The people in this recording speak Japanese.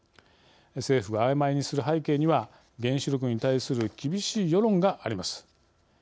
政府があいまいにする背景には原子力に対する厳しい世論があります。